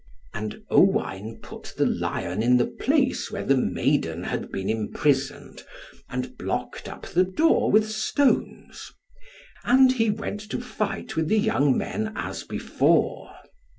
And Owain put the lion in the place where the maiden had been imprisoned, and blocked up the door with stones. And he went to fight with the young men as before.